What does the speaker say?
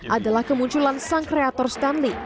adalah kemunculan sang kreator stan lee